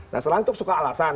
nah selanjutnya suka alasan